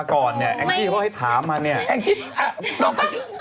คุณถามกันเองดีกว่าไม่ต้องให้ยืมมือผมถาม